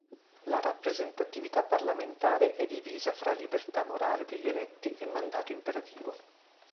La rappresentatività parlamentare è divisa fra libertà morale degli eletti e mandato imperativo.